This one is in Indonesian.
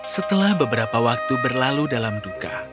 setelah beberapa waktu berlalu dalam duka